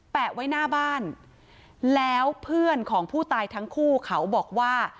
ไว้หน้าบ้านแล้วเพื่อนของผู้ตายทั้งคู่เขาบอกว่า